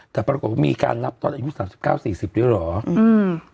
แต่ปรากฏก็มีการรับตอนอายุ๓๙๔๐หรือหรือหรือหรือ